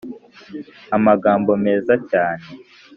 amagambo meza cyane